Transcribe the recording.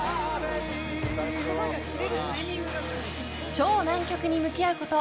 超難曲に向き合うこと